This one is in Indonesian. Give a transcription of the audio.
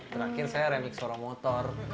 terakhir saya rembek suara motor